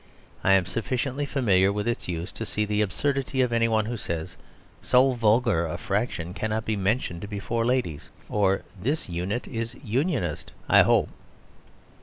I am sufficiently familiar with its use to see the absurdity of anyone who says, "So vulgar a fraction cannot be mentioned before ladies," or "This unit is Unionist, I hope."